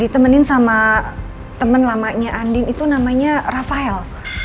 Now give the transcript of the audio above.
ditemenin sama temen lamanya andin itu namanya rafael